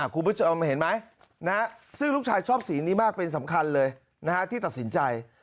คุณผู้ชมเห็นไหมซึ่งลูกชายชอบสีนี้มากเป็นสำคัญเลยที่ตัดสินใจ